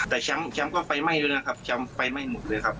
แต่แชมป์ก็ไฟไหม้ด้วยนะครับแชมป์ไฟไหม้หมดเลยครับ